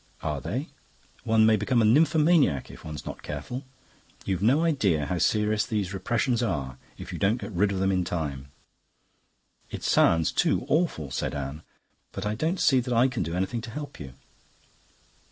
"Are they?" "One may become a nymphomaniac if one's not careful. You've no idea how serious these repressions are if you don't get rid of them in time." "It sounds too awful," said Anne. "But I don't see that I can do anything to help you."